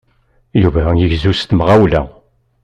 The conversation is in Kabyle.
Yuba igezzu s temɣawla.